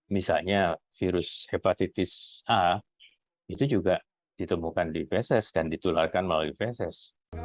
misalnya virus hepatitis a itu juga ditemukan di fesis dan ditularkan melalui fesis